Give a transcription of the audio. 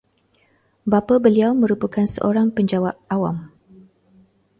Bapa beliau merupakan seorang penjawat awam